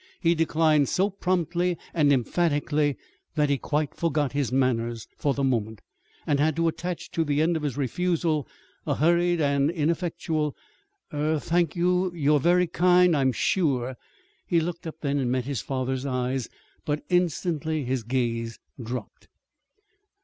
He declined so promptly and emphatically that he quite forgot his manners, for the moment, and had to attach to the end of his refusal a hurried and ineffectual "Er thank you; you are very kind, I'm sure!" He looked up then and met his father's eyes. But instantly his gaze dropped.